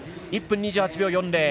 １分２８秒４０。